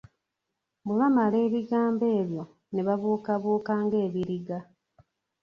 Bwe bamala ebigambo ebyo, ne babuukabuuka ng'ebiriga.